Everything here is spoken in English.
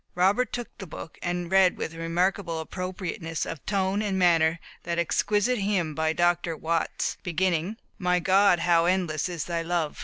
Robert took the book, and read with remarkable appropriateness of tone and manner that exquisite hymn by Dr. Watts, beginning "My God, how endless is thy love!"